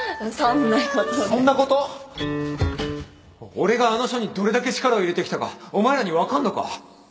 俺があの書にどれだけ力を入れてきたかお前らに分かるのか？